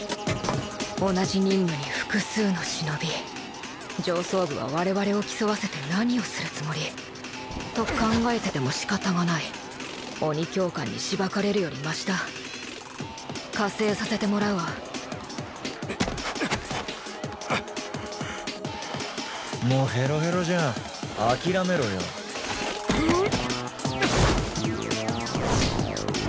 同じ忍務に複数の忍び上層部は我々を競わせて何をするつもり？と考えてても仕方がない鬼教官にしばかれるよりマシだ加勢させてもらうわもうヘロヘロじゃん諦めろようん？